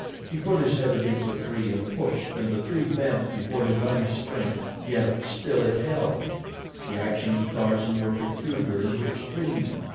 He put his head against the tree and pushed and the tree bent before his mighty strength; yet still it held. The actions of Tarzan were peculiar in the extreme.